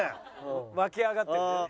沸き上がってる。